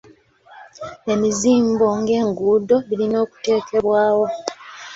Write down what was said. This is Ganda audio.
Emizimbo ng'enguudo birina okuteekebwawo.